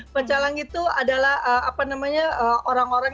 pencalang itu adalah apa namanya orang orang